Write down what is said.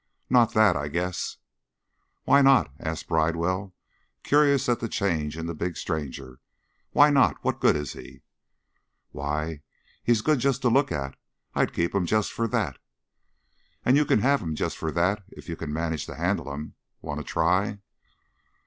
"Not that, I guess!" "Why not?" asked Bridewell, curious at the change in the big stranger. "Why not? What good is he?" "Why he's good just to look at. I'd keep him just for that." "And you can have him just for that if you can manage to handle him. Want to try?"